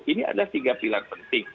ini adalah tiga pilihan penting